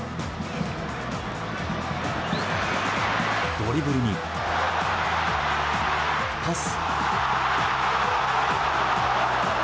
ドリブルに、パス。